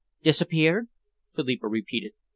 "Disappeared?" Philippa repeated.